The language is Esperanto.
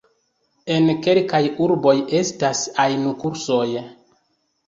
En kelkaj urboj estas ainu-kursoj.